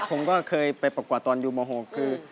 ผมก็เคยไปประกวดตอนอยู่ม๖คือ